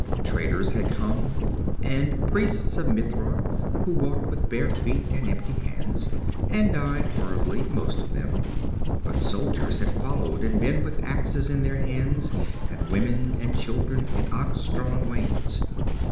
Traders had come, and priests of Mitra who walked with bare feet and empty hands, and died horribly, most of them; but soldiers had followed, and men with axes in their hands and women and children in ox drawn wains.